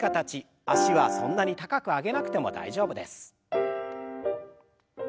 脚はそんなに高く上げなくても大丈夫です。